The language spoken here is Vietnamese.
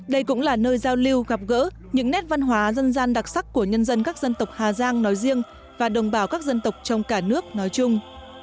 đây cũng là nơi giao lưu gặp gỡ những nét văn hóa dân gian đặc sắc của nhân dân các dân tộc hà giang nói riêng và đồng bào các dân tộc trong cả nước nói chung